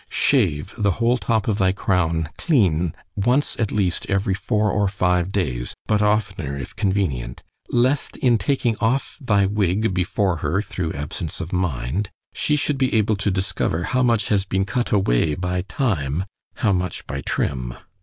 Shave the whole top of thy crown clean once at least every four or five days, but oftner if convenient; lest in taking off thy wig before her, thro' absence of mind, she should be able to discover how much has been cut away by Time——how much by _Trim.